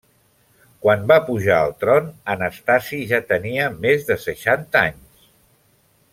Quan va pujar al tron, Anastasi ja tenia més de seixanta anys.